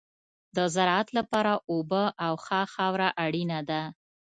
د زراعت لپاره اوبه او ښه خاوره اړینه ده.